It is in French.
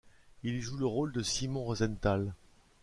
Il y joue le rôle de Simon Rosenthal.